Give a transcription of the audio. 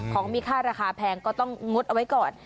ของมีค่าราคาแพงก็ต้องงดเอาไว้ก่อน